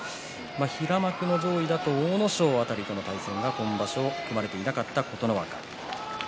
平幕の上位だと阿武咲の辺りとの対戦が今場所は組まれていない琴ノ